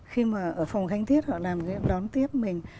khi mà ở phòng khanh thiết họ làm đón tiếp mình